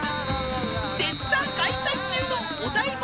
［絶賛開催中のお台場